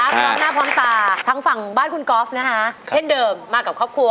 พร้อมหน้าพร้อมตาทั้งฝั่งบ้านคุณกอล์ฟนะคะเช่นเดิมมากับครอบครัว